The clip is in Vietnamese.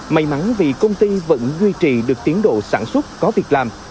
may mắn vì công ty vẫn duy trì được tiến độ sản xuất có việc làm